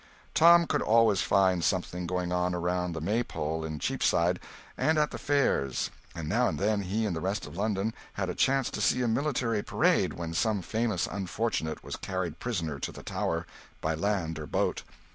Tom could always find something going on around the Maypole in Cheapside, and at the fairs; and now and then he and the rest of London had a chance to see a military parade when some famous unfortunate was carried prisoner to the Tower, by land or boat.